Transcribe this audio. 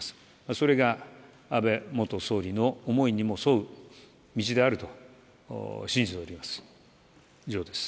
それが安倍元総理の思いにも沿う道であると信じております。